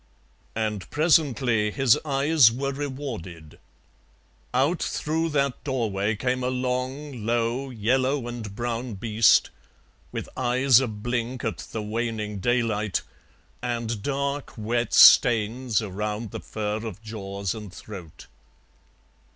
And presently his eyes were rewarded: out through that doorway came a long, low, yellow and brown beast, with eyes a blink at the waning daylight, and dark wet stains around the fur of jaws and throat.